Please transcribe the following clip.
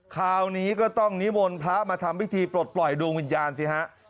คราวนี้ก็ต้องนิมนต์พระมาทำพิธีปลดปล่อยดวงวิญญาณสิฮะ